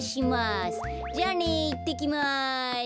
じゃあねいってきます。